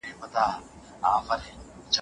په دغه نامې سره زموږ ټول خاندان پېژندل کېږي.